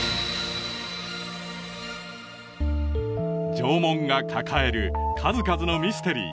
縄文が抱える数々のミステリー